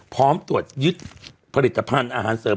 พร้อมตรวจยึดผลิตภัณฑ์อาหารเสริม